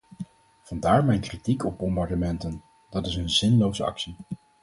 Vandaar mijn kritiek op bombardementen - dat is een zinloze actie.